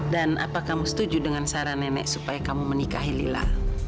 dan apa kamu setuju dengan saran nenek supaya kamu menikahi lila